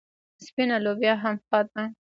سپینه لوبیا هم ښه ده.